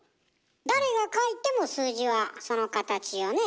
誰が書いても数字はその形よね。